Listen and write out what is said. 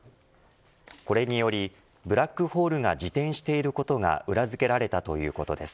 これによりブラックホールが自転していることが裏付けられたということです。